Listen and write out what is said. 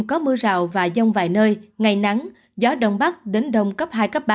có mưa rào và giông vài nơi ngày nắng gió đông bắc đến đông cấp hai ba